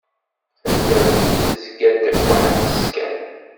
Taddart-nni tezga-d weḥd-s kan.